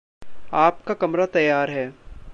आपका कमरा तैयार है।